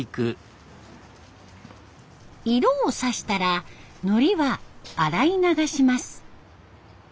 色をさしたらのりは洗い流します。